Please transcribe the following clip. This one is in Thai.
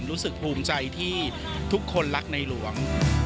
รู้สึกภูมิใจที่ทุกคนรักในหลวง